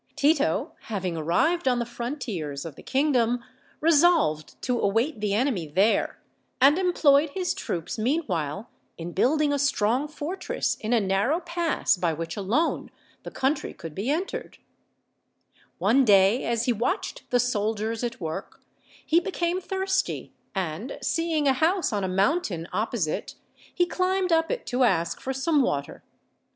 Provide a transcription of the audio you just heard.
Tito, having arrived on the frontiers of the kingdom, resolved to await the enemy there, and employed his troops meanwhile in building a strong fortress in a nar row pass by which alone the country could be enterede OLD, OLD FAULT TALES. 103 One day as he watched the soldiers at work he became thirsty, and, seeing a house on a mountain opposite, he climbed up it to ask for some water.